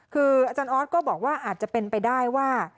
คืออาจารย์ออสก็บอกว่าอาจจะเป็นไปได้ว่า